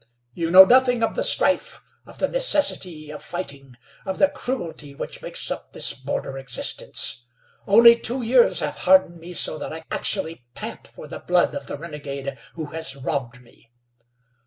You know nothing of the strife, of the necessity of fighting, of the cruelty which makes up this border existence. Only two years have hardened me so that I actually pant for the blood of the renegade who has robbed me.